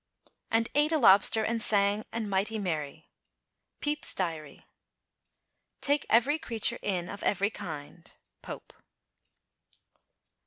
And ate a lobster, and sang and mighty merry. Pepys' Diary. Take every creature in of every kind. _Pope.